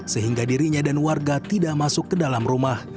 sehingga dirinya dan warga tidak masuk ke dalam rumah